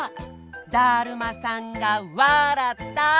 だるまさんがわらった！